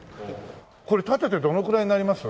これ建ててどのくらいになります？